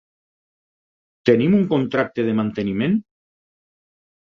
Tenim un contracte de manteniment?